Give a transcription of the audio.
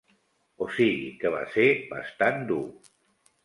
O sigui que va ser bastant dur.